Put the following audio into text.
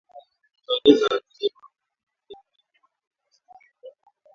Wameongeza kusema kuwa kuingia kwa jamhuri ya kidemokrasia ya Kongo